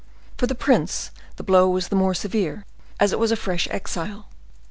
For the prince the blow was the more severe, as it was a fresh exile.